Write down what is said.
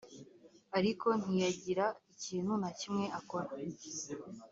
ariko ntiyagira ikintu nakimwe akora